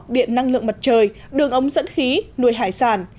điện năng lượng mặt trời đường ống dẫn khí nuôi hải sản